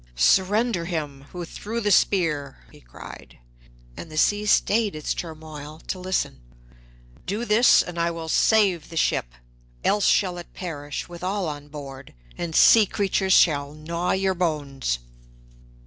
'Surrender him who threw the spear!' he cried, and the sea stayed its turmoil to listen. 'Do this, and I will save the ship. Else shall it perish, with all on board, and sea creatures shall gnaw your bones.'